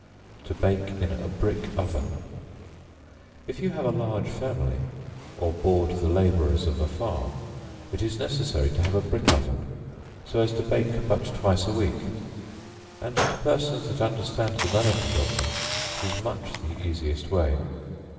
To Bake in a Brick Oven. If you have a large family, or board the laborers of a farm, it is necessary to have a brick oven, so as to bake but twice a week; and to persons that understand the management of them, it is much the easiest way.